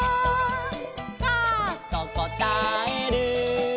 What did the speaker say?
「カァとこたえる」